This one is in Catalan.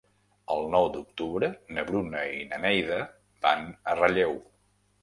El nou d'octubre na Bruna i na Neida van a Relleu.